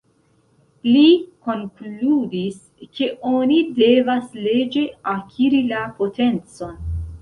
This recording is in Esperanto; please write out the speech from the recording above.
Li konkludis, ke oni devas leĝe akiri la potencon.